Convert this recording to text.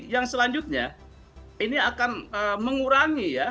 yang selanjutnya ini akan mengurangi ya